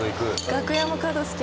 楽屋も角好き？